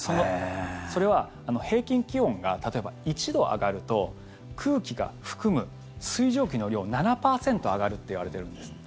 それは平均気温が例えば、１度上がると空気が含む水蒸気の量７％上がるっていわれてるんです。